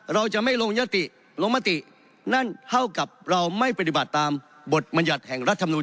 เราจะไม่ลงยติลงมตินั่นเท่ากับเราไม่ปฏิบัติตามบทบรรยัติแห่งรัฐธรรมนุน